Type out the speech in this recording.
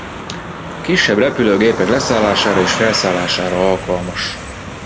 Kisebb repülőgépek leszállására és felszállására alkalmas.